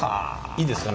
いいですか？